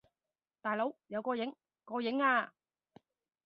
大佬，有個影！個影呀！